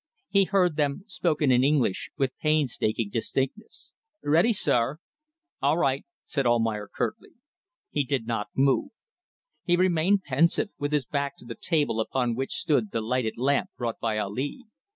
He heard them, spoken in English with painstaking distinctness. "Ready, sir!" "All right," said Almayer, curtly. He did not move. He remained pensive, with his back to the table upon which stood the lighted lamp brought by Ali.